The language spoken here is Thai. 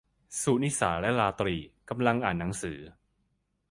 สุนิสาและราตรีกำลังอ่านหนังสือ